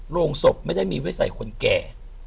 โรงศพไม่ได้มีไว้ใส่คนแก่